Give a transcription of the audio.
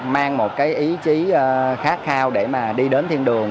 mang một cái ý chí khát khao để mà đi đến thiên đường